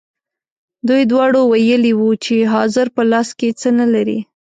دوی دواړو ویلي وو چې حاضر په لاس کې څه نه لري.